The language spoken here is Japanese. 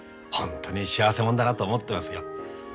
本当に幸せ者だなと思ってますよ。